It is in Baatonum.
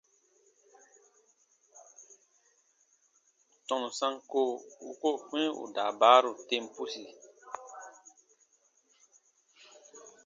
Tɔnu sanko u koo kpĩ ù daabaaru tem pusi?